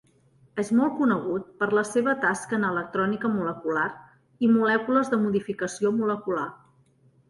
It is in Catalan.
És molt conegut per la seva tasca en electrònica molecular i molècules de modificació molecular.